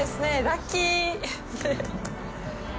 ラッキー。